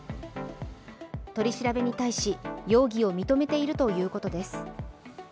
取り調べに対し容疑を認めているということです。